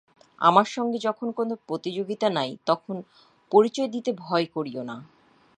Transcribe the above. আমার সঙ্গে যখন কোনো প্রতিযোগিতা নাই তখন পরিচয় দিতে ভয় করিয়ো না।